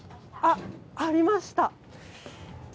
あっ、ありました。